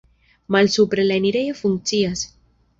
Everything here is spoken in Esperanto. Malsupre la enirejo funkcias.